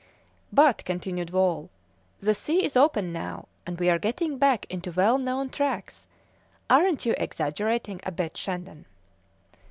"But," continued Wall, "the sea is open now, and we are getting back into well known tracks; aren't you exaggerating a bit, Shandon?"